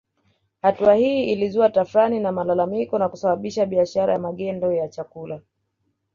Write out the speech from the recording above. Hatua hii ilizua tafrani na malalamiko na kusababisha biashara ya magendo ya chakula